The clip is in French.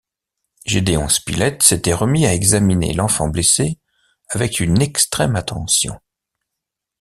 Gédéon Spilett s’était remis à examiner l’enfant blessé avec une extrême attention.